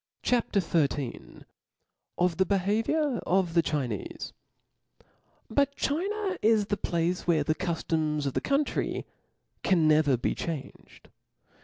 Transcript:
CHAP. xiir. Of the Behaviour of the Chinefe. T> U T China is the place where the cuftoms of •*^ the country can never be changed.